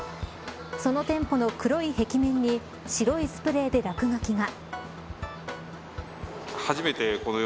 その店舗の黒い壁面に白いスプレーで落書きが。